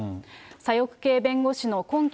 左翼系弁護士の根拠